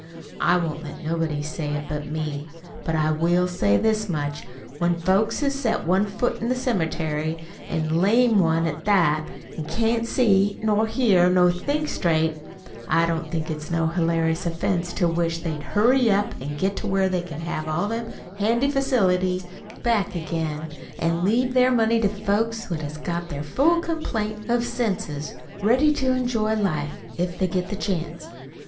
I won't let nobody say it but me. But I will say this much. When folks has set one foot in the cemetery, an' a lame one at that, an' can't see nor hear nor think straight, I don't think it's no hilarious offense to wish they'd hurry up an' get to where they could have all them handy facilities back again, an' leave their money to folks what has got their full complaint of senses, ready to enjoy life, if they get a chance.